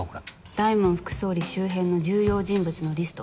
大門副総理周辺の重要人物のリスト。